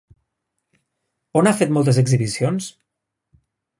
On ha fet moltes exhibicions?